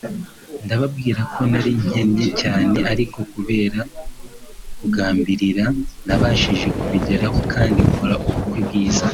ndababwira ko nari nkennye cyane ariko kubera kugambirira nabashije kubigeraho kandi nkora ubukwe bwiza